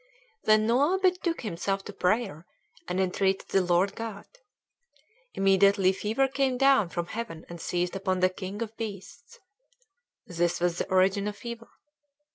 Then Noah betook himself to prayer, and entreated the Lord God. Immediately fever came down from heaven and seized upon the king of beasts." This was the origin of fever.